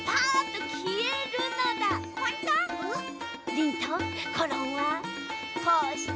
リンとコロンはこうして。